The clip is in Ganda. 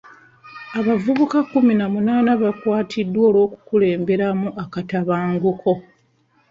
Abavubuka kkumi na munaana baakwatiddwa olw'okukulemberamu akatabanguko.